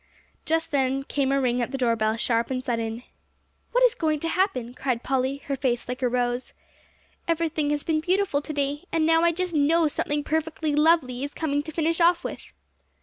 Just then came a ring at the doorbell, sharp and sudden. "What is going to happen?" cried Polly, her face like a rose. "Everything has been beautiful to day; and now I just know something perfectly lovely is coming to finish off with."